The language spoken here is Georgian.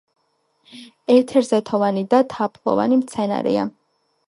ეთერზეთოვანი და თაფლოვანი მცენარეა.